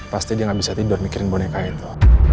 pasti dia gak bisa tidur mikirin bonekanya nino